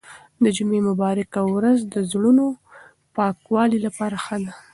د جمعې مبارکه ورځ د زړونو د پاکوالي لپاره ښه ده.